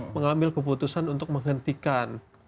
mengambil keputusan untuk menghentikan